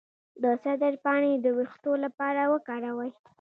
د سدر پاڼې د ویښتو لپاره وکاروئ